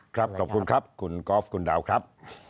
ขอบคุณครับคุณกอล์ฟคุณดาวครับ